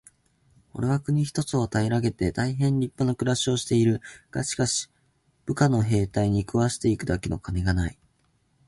「おれは国一つを平げて大へん立派な暮しをしている。がしかし、部下の兵隊に食わして行くだけの金がない。」